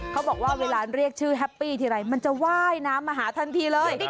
เขาบอกว่าเวลาเรียกชื่อแฮปปี้ทีไรมันจะว่ายน้ำมาหาทันทีเลย